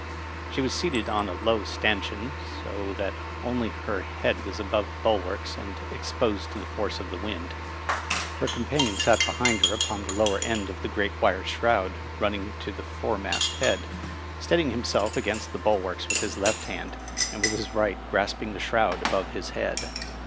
She was seated on a low stanchion, so that only her head was above the bulwarks and exposed to the force of the wind. Her companion sat behind her upon the lower end of the great wire shroud running to the foremast head, steadying himself against the bulwarks with his left hand, and with his right grasping the shroud above his head.